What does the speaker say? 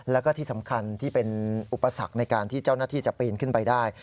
แล้วก็ที่สำคัญที่เป็นอุปสรรคในการที่เจ้าหน้าที่จะปีนขึ้นไปได้